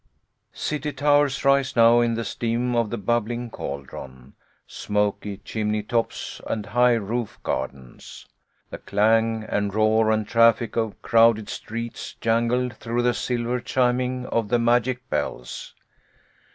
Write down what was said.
CITY towers rise now in the steam of the bubbling caldron, smoky chimney tops and high roof gardens. The clang and roar and traffic of crowded streets jangle through the silver chiming of the magic bells.